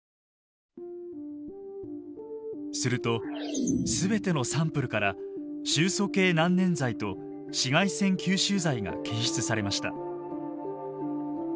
すると全てのサンプルから臭素系難燃剤と紫外線吸収剤が検出されました。